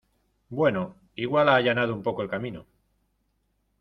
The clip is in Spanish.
bueno, igual he allanado un poco el camino